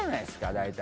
大体。